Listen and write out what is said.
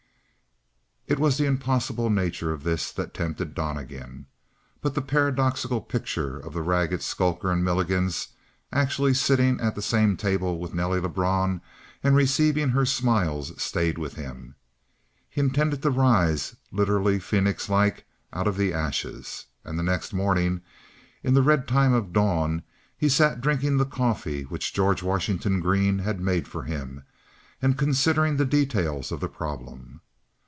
It was the impossible nature of this that tempted Donnegan. But the paradoxical picture of the ragged skulker in Milligan's actually sitting at the same table with Nelly Lebrun and receiving her smiles stayed with him. He intended to rise, literally Phoenixlike, out of ashes. And the next morning, in the red time of the dawn, he sat drinking the coffee which George Washington Green had made for him and considering the details of the problem.